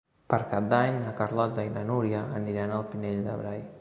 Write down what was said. Per Cap d'Any na Carlota i na Núria aniran al Pinell de Brai.